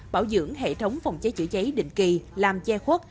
bảo dưỡng hệ thống phòng cháy chữa cháy định kỳ làm che khuất